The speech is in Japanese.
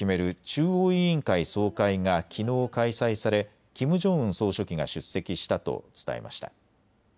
中央委員会総会がきのう開催されキム・ジョンウン総書記が出席したと伝えました。